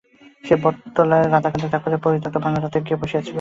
সে বটতলায় রাধাকান্ত ঠাকুরের পরিত্যক্ত ভাঙা রথের মধ্যে গিয়া বসিয়া ছিল।